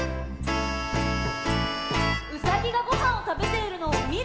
「うさぎがごはんをたべているのをみる」